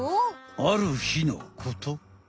あるひのこと。